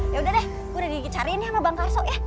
yaudah deh gue udah digigit cariin ya sama bang karso ya